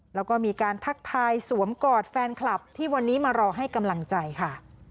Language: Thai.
แล้วก็มีการทักทายสวมกอดแฟนคลับที่วันนี้มารอให้กำลังใจค่ะ